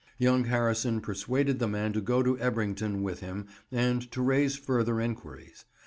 Young Harrison persuaded the man to go to Ebrington with him and to raise further inquiries.